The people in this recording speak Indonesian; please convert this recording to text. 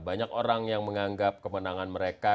banyak orang yang menganggap kemenangan mereka